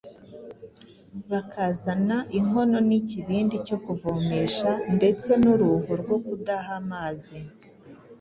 bakazana inkono n’ikibindi cyo kuvomesha ndetse n’uruho rwo kudaha amazi,